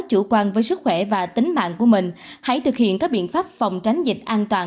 chủ quan với sức khỏe và tính mạng của mình hãy thực hiện các biện pháp phòng tránh dịch an toàn